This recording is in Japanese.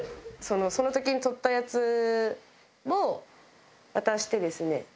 その時に撮ったやつを渡してですね。